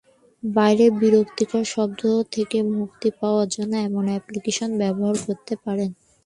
বাইরের বিরক্তিকর শব্দ থেকে মুক্তি পাওয়া যায় এমন অ্যাপ্লিকেশন ব্যবহার করতে পারেন।